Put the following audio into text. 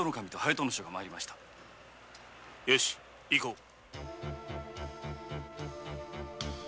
よし行こう！